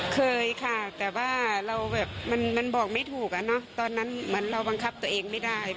เคยค่ะแต่ว่ามันบอกไม่ถูกตอนนั้นเหมือนเราบังคับตัวเองไม่ได้